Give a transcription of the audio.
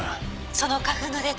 「その花粉のデータ